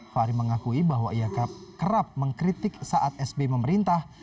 fahri mengakui bahwa ia kerap mengkritik saat sbi memerintah